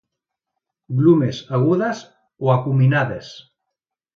Glumes agudes o acuminades.